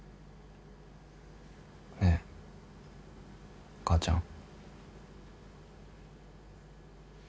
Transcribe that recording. ねえ母ちゃん。